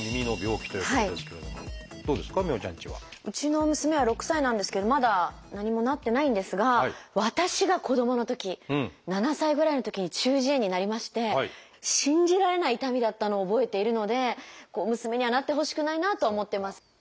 うちの娘は６歳なんですけどまだ何もなってないんですが私が子どものとき７歳ぐらいのときに中耳炎になりまして信じられない痛みだったのを覚えているので娘にはなってほしくないなとは思ってます。